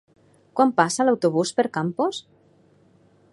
Quan passa l'autobús per Campos?